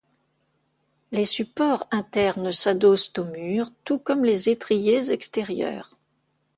Les supports internes s'adossent au mur, tout comme les étriers extérieurs.